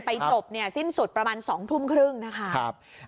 ไปจบสิ้นสุดประมาณ๒ทุ่มครึ่งนะค่ะ